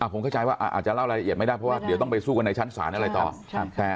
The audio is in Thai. ผมเข้าใจว่าอาจจะเล่ารายละเอียดไม่ได้เพราะว่าเดี๋ยวต้องไปสู้กันในชั้นศาลอะไรต่อ